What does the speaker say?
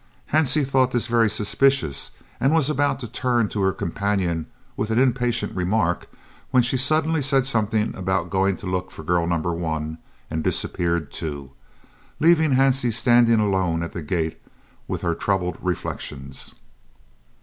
Hansie thought this very suspicious, and was about to turn to her companion with an impatient remark, when she suddenly said something about going to look for girl No. 1 and disappeared too, leaving Hansie standing alone at the gate with her troubled reflections.